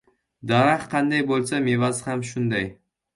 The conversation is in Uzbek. • Daraxt qanday bo‘lsa, mevasi ham shunday.